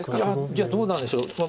いやどうなんでしょう。